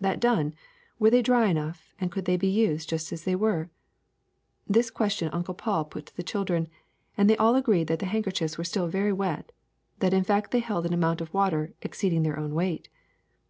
That done, were they dry enough, and could they be used just as they were ! This question Uncle Paul put to the children, and they all agreed that the handkerchiefs w^ere still very wet, that in fact they held an amount of water exceeding their own weight.